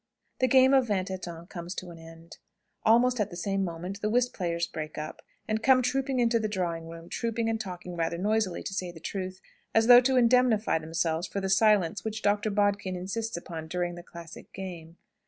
The game of vingt et un comes to an end. Almost at the same moment the whist players break up, and come trooping into the drawing room; trooping and talking rather noisily, to say the truth, as though to indemnify themselves for the silence which Doctor Bodkin insists upon during the classic game.